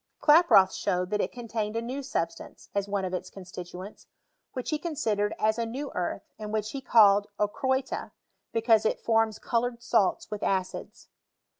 KI»proth showed that it contained a new substance, as one of its constituents, which ho considered as a. new earth, aod which he called ochroita, because it forms coloured salts with acids.